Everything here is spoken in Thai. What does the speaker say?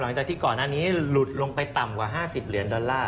หลังจากที่ก่อนหน้านี้หลุดลงไปต่ำกว่า๕๐เหรียญดอลลาร์